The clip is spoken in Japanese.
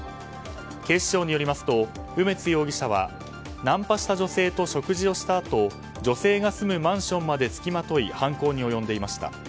警視庁によりますと梅津容疑者はナンパした女性と食事をしたあと女性が住むマンションまで付きまとい犯行に及んでいました。